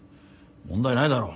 問題ないだろう。